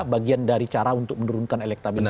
bagian dari cara untuk menurunkan elektabilitas